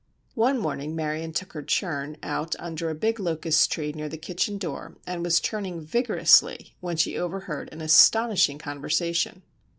One morning Marion took her churn out under a big locust tree near the kitchen door and was churning vigorously when she overheard an astonishing conversation.